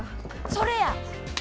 それや！